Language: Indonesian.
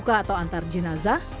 buka atau antar jenazah